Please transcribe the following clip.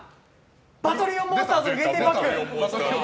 「バトリオンモンスターズ」の限定パック。